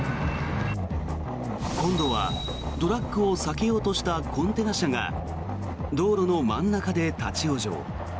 今度はトラックを避けようとしたコンテナ車が道路の真ん中で立ち往生。